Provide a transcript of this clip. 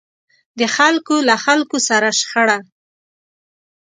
د خلکو له خلکو سره شخړه.